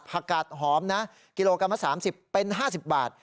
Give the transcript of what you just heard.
ผักกาดหอมนะกิโลกรัมละ๓๐เป็น๕๐บาท